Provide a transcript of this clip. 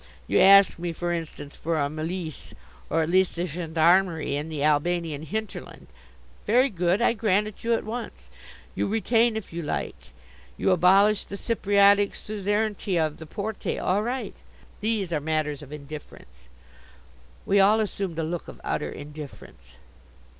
You ask me, for instance, for a milice, or at least a gendarmerie, in the Albanian hinterland; very good, I grant it you at once. You retain, if you like, you abolish the Cypriotic suzerainty of the Porte all right. These are matters of indifference." We all assumed a look of utter indifference.